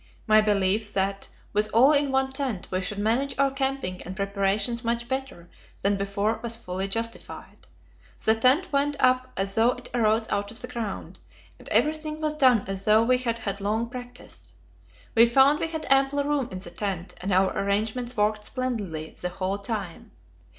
My belief that, with all in one tent, we should manage our camping and preparations much better than before was fully justified. The tent went up as though it arose out of the ground, and everything was done as though we had had long practice. We found we had ample room in the tent, and our arrangements worked splendidly the whole time.